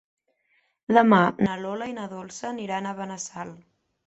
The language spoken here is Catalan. Demà na Lola i na Dolça aniran a Benassal.